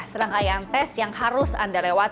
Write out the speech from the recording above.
serangkaian tes yang harus anda lewati